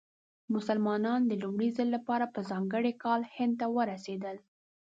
مسلمانان د لومړي ځل لپاره په ځانګړي کال هند ورسېدل.